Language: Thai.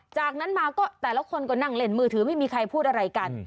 จากนั้นมาก็แต่ละคนก็นั่งเล่นมือถือไม่มีใครพูดอะไรกัน